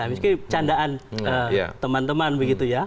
meskipun candaan teman teman begitu ya